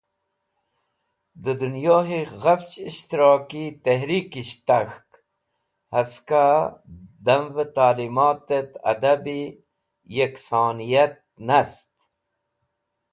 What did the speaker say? De Dunyohi ghafch Ishtiraki Tehrikisht tak̃hk, haska dame Ta’limat et adabi yeksoniyat nast.